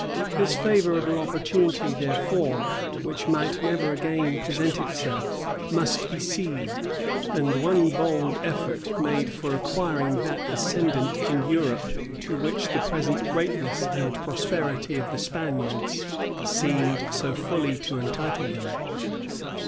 This favorable opportunity, therefore, which might never again present itself, must be seized; and one bold effort made for acquiring that ascendant in Europe, to which the present greatness and prosperity of the Spaniards seemed so fully to entitle them.